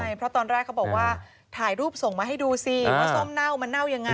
ใช่เพราะตอนแรกเขาบอกว่าถ่ายรูปส่งมาให้ดูสิว่าส้มเน่ามันเน่ายังไง